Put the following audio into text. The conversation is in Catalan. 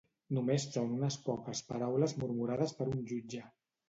Només són unes poques paraules murmurades per un jutge.